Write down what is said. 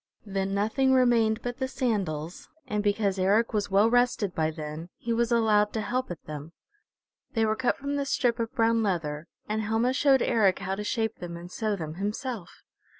Then nothing remained but the sandals, and because Eric was well rested by then, he was allowed to help at them. They were cut from the strip of brown leather, and Helma showed Eric how to shape them and sew them himself.